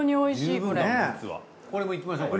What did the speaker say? これもいきましょうか。